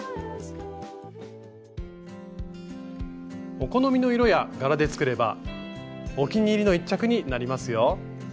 お好みの色や柄で作ればお気に入りの１着になりますよ。